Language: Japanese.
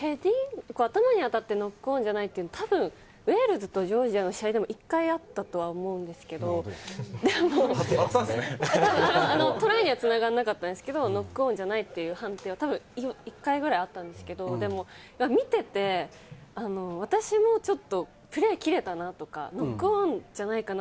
頭に当たってノックオンっていうのはウェールズとジョージアの試合でも１回あったと思うんですけれども、トライには繋がらなかったんですけど、ノックオンじゃないという判定は１回ぐらいあったんですけれど、見てて私もちょっとプレー切れたなとか、ノックオンじゃないかな？